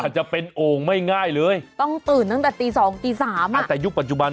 ถึงเป็นอุปสรรคที่น่ากลัวจริง